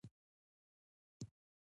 فقره پاییزه جمله هم لري.